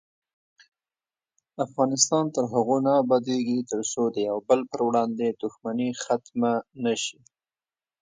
افغانستان تر هغو نه ابادیږي، ترڅو د یو بل پر وړاندې دښمني ختمه نشي.